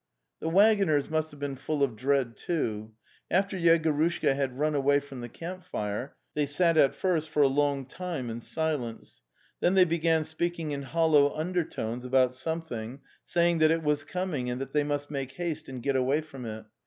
The waggoners must have been full of dread, too. After Yegorushka had run away from the camp fire they sat at first for a long time in silence, then they began speaking in hollow undertones about some thing, saying that it was coming and that they must make haste and get away from it.